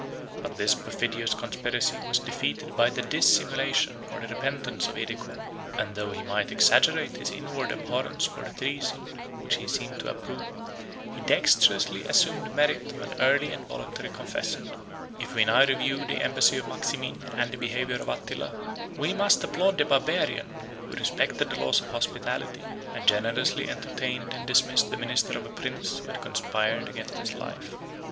But this perfidious conspiracy was defeated by the dissimulation, or the repentance, of Edecon; and though he might exaggerate his inward abhorrence for the treason, which he seemed to approve, he dexterously assumed the merit of an early and voluntary confession. If we now review the embassy of Maximin, and the behavior of Attila, we must applaud the Barbarian, who respected the laws of hospitality, and generously entertained and dismissed the minister of a prince who had conspired against his life.